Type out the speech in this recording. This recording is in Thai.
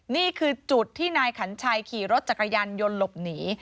นี่คือจุดที่นายขันชัยขี่รถจักรยานยนต์หลบหนี